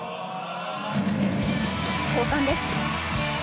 交換です。